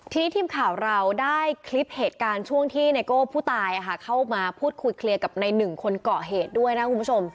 ทีนี้ทีมข่าวเราได้คลิปเหตุการณ์ช่วงที่ไนโก้ผู้ตายเข้ามาพูดคุยเคลียร์กับในหนึ่งคนเกาะเหตุด้วยนะคุณผู้ชม